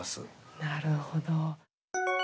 なるほど。